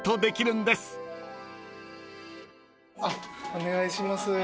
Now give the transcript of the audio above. お願いします。